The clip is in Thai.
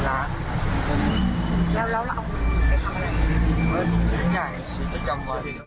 เจ้าใหญ่จำก่อน